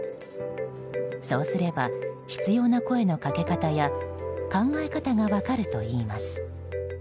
そうすれば、必要な声のかけ方や考え方が分かるといいます。